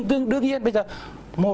nhưng đương nhiên bây giờ